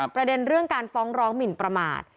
ประเด็นเรื่องการฟ้องร้องหมินประมาท